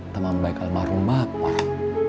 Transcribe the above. teman baik almarhum bapak